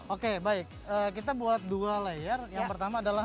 oke baik kita buat dua layer yang pertama adalah